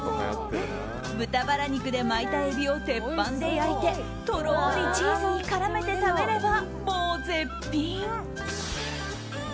豚バラ肉で巻いたエビを鉄板で焼いてとろーりチーズに絡めて食べればもう絶品！